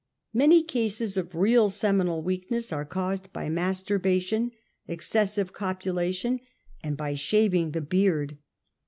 Many cases of real seminal weakness are caused by masturbation, excessive copulation, and by shav ing the beard.